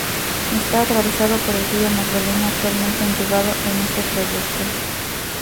Está atravesado por el río Magdalena, actualmente entubado en este trayecto.